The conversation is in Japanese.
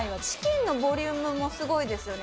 チキンのボリュームもすごいです。